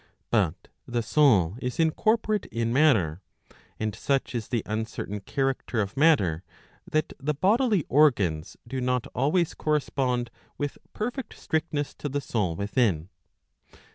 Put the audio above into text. But the soul is incorporate in matter, and such is the uncertain character of matter that the bodily organs do not always correspond with perfect strictness to the soul within.